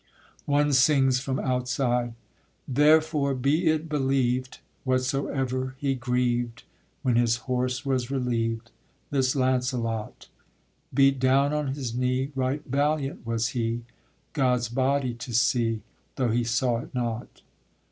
[One sings from outside.] Therefore be it believed Whatsoever he grieved, When his horse was relieved, This Launcelot, _Beat down on his knee, Right valiant was he God's body to see, Though he saw it not.